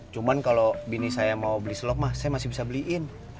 cuma kalau bini saya mau beli selop saya masih bisa beliin